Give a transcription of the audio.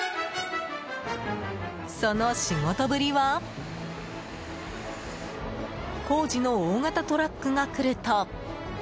その仕事ぶりは？工事の大型トラックが来ると。